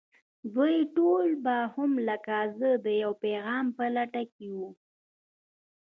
دوی ټول به هم لکه زه د يوه پيغام په لټه کې وي.